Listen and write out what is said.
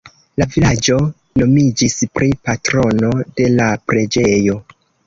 La vilaĝo nomiĝis pri patrono de la preĝejo.